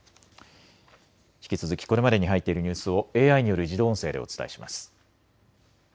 引き続きこれまでに入っているニュースをＡＩによる自動音声でお伝えします。